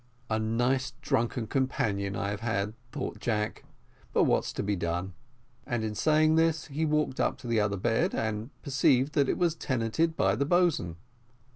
A nice drunken companion I have had, thought Jack; but what's to be done? And in saying this, he walked up to the other bed, and perceived that it was tenanted by the boatswain.